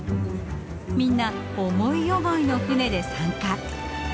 みんな思い思いの船で参加。